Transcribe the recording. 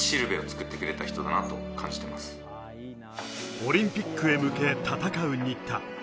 オリンピックへ向け、戦う新田。